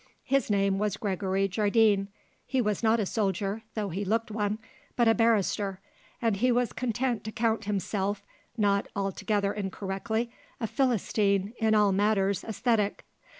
His name was Gregory Jardine; he was not a soldier though he looked one but a barrister, and he was content to count himself, not altogether incorrectly, a Philistine in all matters æsthetic.